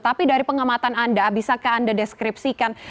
tapi dari pengamatan anda bisakah anda deskripsikan